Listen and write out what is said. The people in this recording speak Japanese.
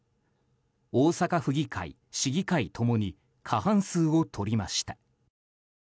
大阪府議会、市議会共に過半数を取りました。